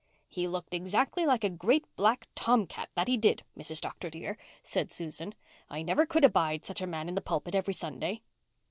"He looked exactly like a great black tomcat, that he did, Mrs. Dr. dear," said Susan. "I never could abide such a man in the pulpit every Sunday."